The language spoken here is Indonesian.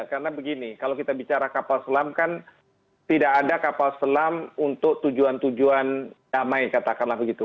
karena begini kalau kita bicara kapal selam kan tidak ada kapal selam untuk tujuan tujuan damai katakanlah begitu